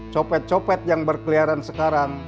copet copet yang berkeliaran sekarang